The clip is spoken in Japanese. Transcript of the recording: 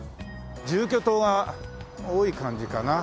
住居棟が多い感じかな。